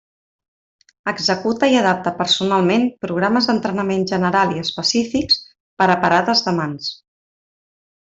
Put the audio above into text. Executa i adapta personalment programes d'entrenament general i específics per a parades de mans.